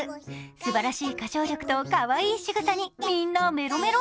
すばらしい歌唱力とかわいいしぐさに、みんなメロメロ。